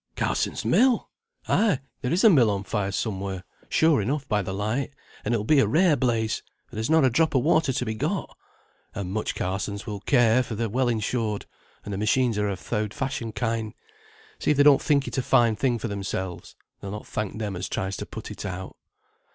"Carsons' mill! Ay, there is a mill on fire somewhere, sure enough, by the light, and it will be a rare blaze, for there's not a drop o' water to be got. And much Carsons will care, for they're well insured, and the machines are a' th' oud fashioned kind. See if they don't think it a fine thing for themselves. They'll not thank them as tries to put it out."